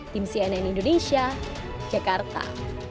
tim cnn indonesia jakarta